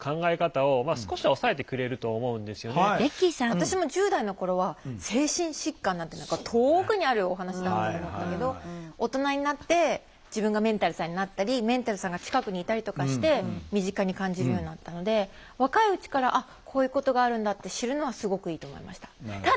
私も１０代の頃は「精神疾患」なんて何か遠くにあるお話だと思ったけど大人になって自分がメンタルさんになったりメンタルさんが近くにいたりとかして身近に感じるようになったので若いうちからあっこういうことがあるんだって知るのはすごくいいと思いました。